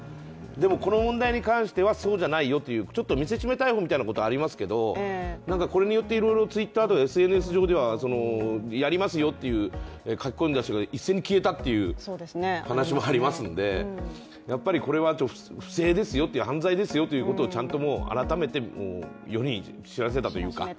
でも、この問題に関してはそうじゃないよという、見せしめ逮捕みたいなことがありますけど、これによっていろいろＴｗｉｔｔｅｒとかＳＮＳ上ではやりますよって書き込んだ人が一斉に消えたという話もありますので、やっぱりこれは不正です、犯罪ですよっていうことをちゃんと改めて世に知らせたというか。